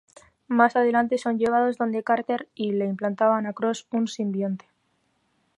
Más adelante son llevados donde Carter y le implantan a Cross un simbionte.